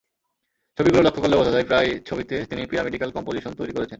ছবিগুলো লক্ষ করলে বোঝা যায়, প্রায় ছবিতে তিনি পিরামিডিক্যাল কম্পোজিশন তৈরি করেছেন।